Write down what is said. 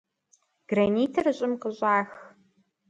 Гранитыр щӀым къыщӀах.